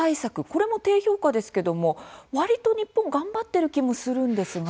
これも低評価ですけれどもわりと日本頑張ってる気もするんですが。